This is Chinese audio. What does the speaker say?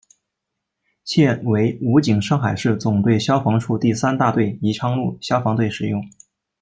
现为武警上海市总队消防处第三大队宜昌路消防队使用。